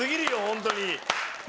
本当に。